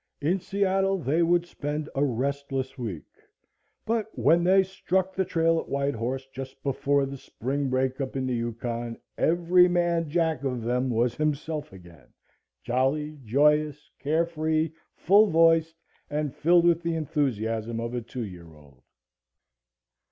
In Seattle they would spend a restless week, but when they struck the trail at White Horse just before the spring breakup in the Yukon every man jack of them was himself again jolly, joyous, carefree, full voiced and filled with the enthusiasm of a two year old.